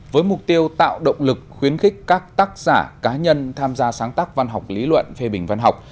với mục tiêu tạo động lực khuyến khích các tác giả cá nhân tham gia sáng tác văn học lý luận phê bình văn học